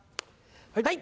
はい。